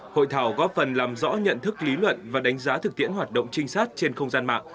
hội thảo góp phần làm rõ nhận thức lý luận và đánh giá thực tiễn hoạt động trinh sát trên không gian mạng